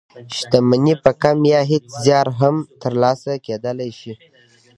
شتمني په کم يا هېڅ زيار هم تر لاسه کېدلای شي.